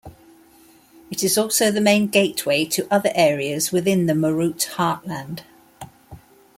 It is also the main gateway to other areas within the Murut heartland.